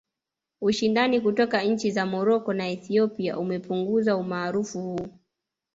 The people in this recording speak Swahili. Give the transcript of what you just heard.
Ushindani kutoka nchi ya Moroko na Ethiopia umepunguza umaarufu huu